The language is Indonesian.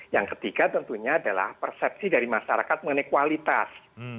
yang ketiga tentunya adalah persepsi dari masyarakat mengenai kualitas